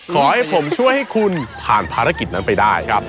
ขอให้ผมช่วยให้คุณผ่านภารกิจนั้นไปได้